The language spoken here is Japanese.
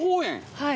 はい。